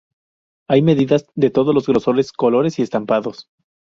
Hay medias de todos los grosores, colores y estampados.